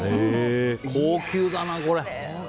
高級だな、これ。